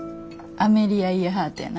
アメリア・イヤハートやな。